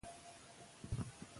ایا رواني روغتیا مهمه ده؟